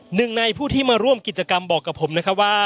หนึ่งในผู้ที่มาร่วมกิจกรรมบอกกับผมนะครับว่า